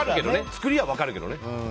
造りは分かるけどね。